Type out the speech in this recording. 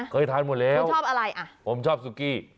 เคยทานหมดแล้วชอบอะไรอ่ะผมชอบซุกี้